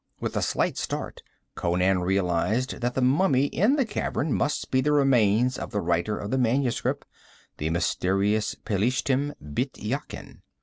With a slight start Conan realized that the mummy in the cavern must be the remains of the writer of the manuscript, the mysterious Pelishtim, Bît Yakin.